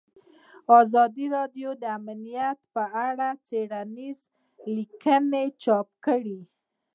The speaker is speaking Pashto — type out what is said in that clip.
ازادي راډیو د امنیت په اړه څېړنیزې لیکنې چاپ کړي.